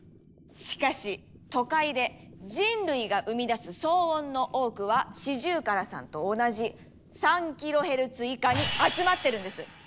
しかし都会で人類が生み出す騒音の多くはシジュウカラさんと同じ３キロヘルツ以下に集まってるんです！